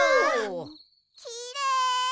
きれい！